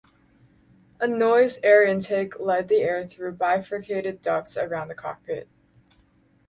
A nose air-intake led the air through bifurcated ducts around the cockpit.